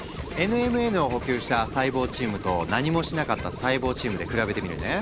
ＮＭＮを補給した細胞チームと何もしなかった細胞チームで比べてみるね。